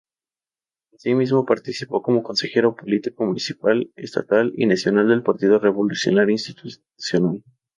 Asimismo participó como consejero político municipal, estatal y nacional del Partido Revolucionario Institucional.